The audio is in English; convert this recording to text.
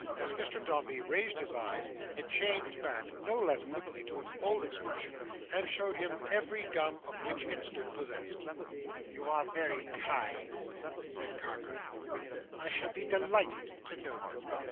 As Mr Dombey raised his eyes, it changed back, no less quickly, to its old expression, and showed him every gum of which it stood possessed. "You are very kind," said Carker, "I shall be delighted to know them.